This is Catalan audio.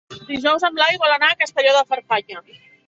Dijous en Blai vol anar a Castelló de Farfanya.